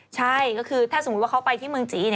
ใช่ก็คือถ้าสมมุติว่าเขาไปที่เมืองจีน